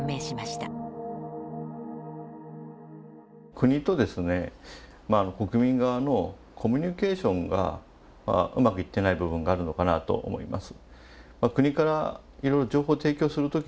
国とですね国民側のコミュニケーションがうまくいってない部分があるのかなと思います。